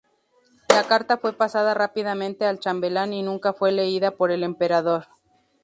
La carta fue pasada rápidamente al chambelán y nunca fue leída por el emperador.